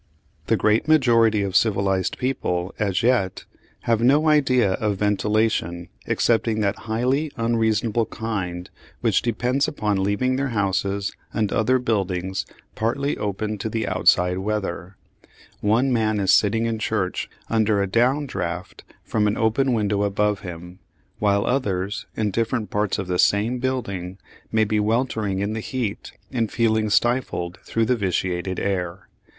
The great majority of civilised people, as yet, have no idea of ventilation excepting that highly unreasonable kind which depends upon leaving their houses and other buildings partly open to the outside weather. One man is sitting in church under a down draught from an open window above him, while others, in different parts of the same building, may be weltering in the heat and feeling stifled through the vitiated air.